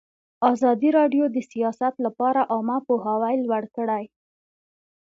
ازادي راډیو د سیاست لپاره عامه پوهاوي لوړ کړی.